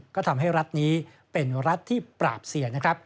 ก็ทำให้รัฐนี้เป็นรัฐที่ปราบเสียนะครับ